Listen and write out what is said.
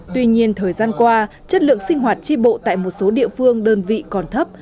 tuy nhiên thời gian qua chất lượng sinh hoạt tri bộ tại một số địa phương đơn vị còn thấp